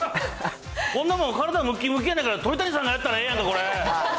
こんなもん、体むきむきやねんやから、鳥谷さんがやったらええやんか、これ。